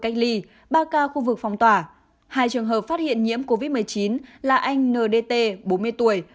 cách ly ba ca khu vực phong tỏa hai trường hợp phát hiện nhiễm covid một mươi chín là anh ndt bốn mươi tuổi